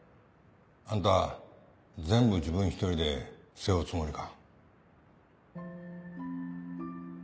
あんた全部自分一人で背負うつもりか？